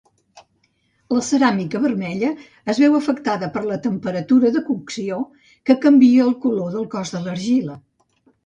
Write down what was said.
La ceràmica vermella es veu afectada per la temperatura de cocció, que canvia el color del cos d'argila.